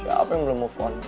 apa yang belum move on